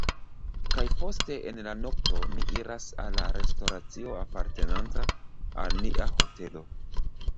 kaj poste en la nokto, ni iras al la restoracio apartenanta al nia hotelo